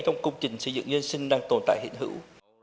trong công trình xây dựng nhân sinh đang tồn tại hiện hữu